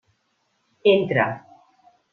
Entra.